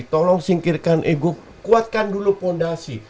tolong singkirkan ego kuatkan dulu fondasi